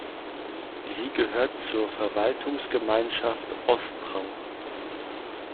Sie gehört zur Verwaltungsgemeinschaft Ostrau.